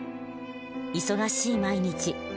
忙しい毎日。